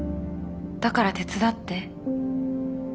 だから手伝って。